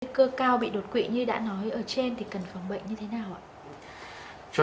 nguy cơ cao bị đột quỵ như đã nói ở trên thì cần phòng bệnh như thế nào ạ